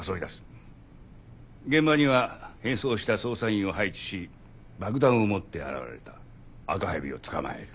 現場には変装した捜査員を配置し爆弾を持って現れた赤蛇を捕まえる。